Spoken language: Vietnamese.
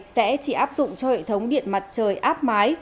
sẽ chỉ áp dụng cho hệ thống điện mặt trời áp mái